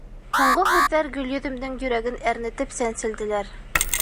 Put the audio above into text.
Һуңғы һүҙҙәр Гөлйөҙөмдөң йөрәген әрнетеп сәнселделәр.